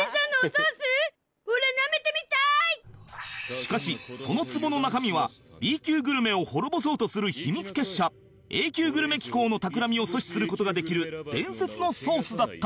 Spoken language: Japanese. しかしそのつぼの中身は Ｂ 級グルメを滅ぼそうとする秘密結社 Ａ 級グルメ機構のたくらみを阻止する事ができる伝説のソースだった